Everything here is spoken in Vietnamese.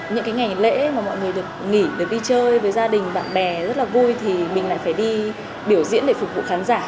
những cái ngày lễ mà mọi người được nghỉ được đi chơi với gia đình bạn bè rất là vui thì mình lại phải đi biểu diễn để phục vụ khán giả